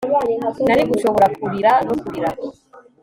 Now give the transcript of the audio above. nari gushobora kurira no kurira